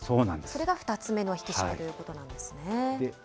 これが２つ目の引き締めということなんですね。